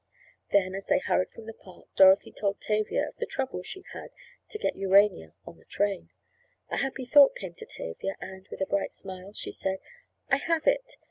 Then, as they hurried from the park, Dorothy told Tavia of the trouble she had to get Urania on the train. A happy thought came to Tavia, and, with a bright smile she said: "I have it!